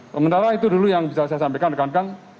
sementara itu dulu yang bisa saya sampaikan rekan rekan